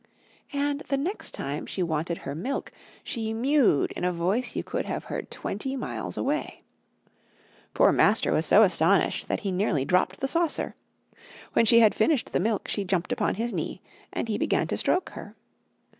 And the next time she wanted her milk, she mewed in a voice you could have heard twenty miles away. Poor master was so astonished that he nearly dropped the saucer. When she had finished the milk, she jumped upon his knee, and he began to stroke her.